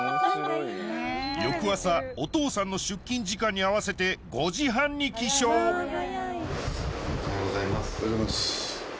翌朝お父さんの出勤時間に合わせて５時半に起床おはようございます。